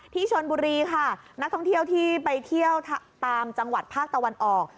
ที่ชนบุรีค่ะนักท่องเที่ยวที่ไปเที่ยวตามจังหวัดภาคตะวันออก